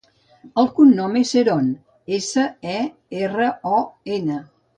El cognom és Seron: essa, e, erra, o, ena.